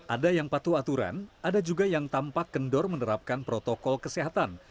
ada yang patuh aturan ada juga yang tampak kendor menerapkan protokol kesehatan